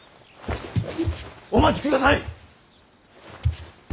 お待ちください！